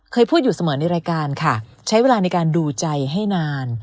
เคยพูดอยู่เสมอในรายการค่ะใช้เวลาในการดูใจให้นาน